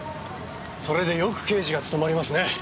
それでよく刑事が務まりますね。